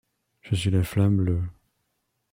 Je suis la flamme bleue